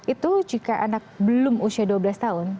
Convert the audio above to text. itu jika anak belum usia dua belas tahun